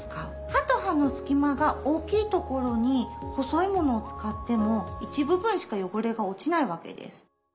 歯と歯の隙間が大きいところに細いものを使っても一部分しか汚れが落ちないわけです。